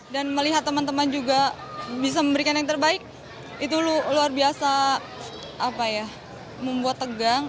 dan melihat teman teman juga bisa memberikan yang terbaik itu luar biasa membuat tegang